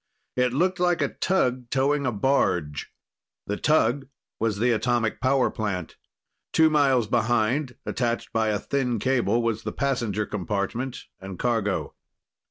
It looked like a tug towing a barge. The tug was the atomic power plant. Two miles behind, attached by a thin cable, was the passenger compartment and cargo.